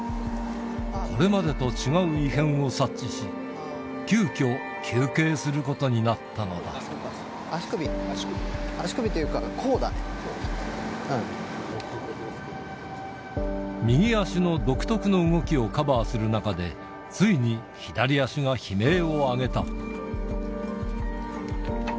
これまでと違う異変を察知し、急きょ、足首、右足の独特の動きをカバーする中で、ついに左足が悲鳴を上げた。